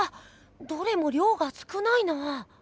どれもりょうが少ないな。